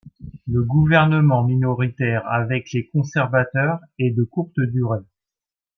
Le gouvernement minoritaire avec les conservateurs est de courte durée.